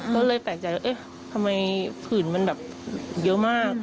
ก็เลยแตกใจว่าทำไมผื่นมันเยอะมาก